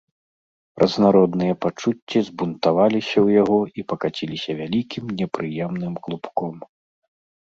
Разнародныя пачуцці збунтаваліся ў яго і пакаціліся вялікім, непрыемным клубком.